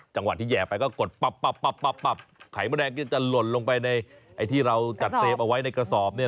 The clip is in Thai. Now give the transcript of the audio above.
จังหวัดที่แหยะไปก็กดปับขาหยมมดแดงจะหล่นลงไปในไอ้ที่เราจัดเก็บเอาไว้ในกระสอบ